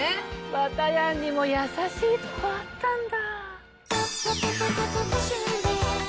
ばたやんにも優しいとこあったんだ。